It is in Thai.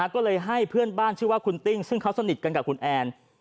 ก็เลยให้เพื่อนบ้านชื่อว่าคุณติ้งซึ่งเขาสนิทกันกับคุณแอน